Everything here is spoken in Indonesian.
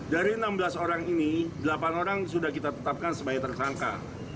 dari enam belas orang ini delapan orang sudah kita tetapkan sebagai tersangka